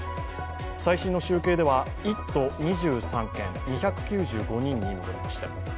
最新の集計では１都２３県２９５人に上りました。